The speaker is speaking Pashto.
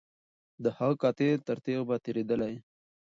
د هغه قاتل تر تیغ به تیریدلای